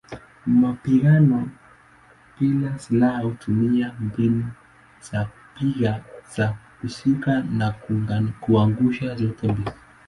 Mapigano bila silaha hutumia mbinu za kupiga, za kushika na za kuunganisha zote mbili.